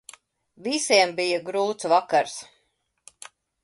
Visiem bija grūts vakars.